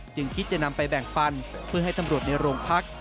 จึงคิดจะนำไปแบ่งฟันเพื่อให้ตำรวจในโรงพัก